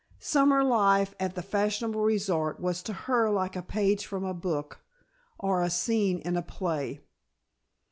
Summer life at a fashionable resort was to her like a page from a book, or a scene in a play.